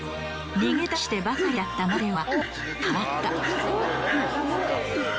逃げ出してばかりだったマテオは変わった。